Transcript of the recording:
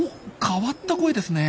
変わった声ですね。